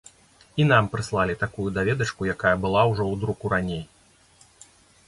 І нам прыслалі такую даведачку, якая была ўжо ў друку раней.